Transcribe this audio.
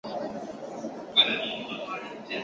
其目的在于重画拿破仑战败后的欧洲政治地图。